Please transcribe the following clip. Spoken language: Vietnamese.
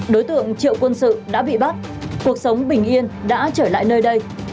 đối tượng triệu quân sự đã bị bắt cuộc sống bình yên đã trở lại nơi đây